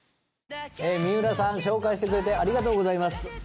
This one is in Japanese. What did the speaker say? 水卜さん紹介してくれてありがとうございます。